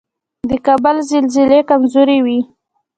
د کابل زلزلې کمزورې وي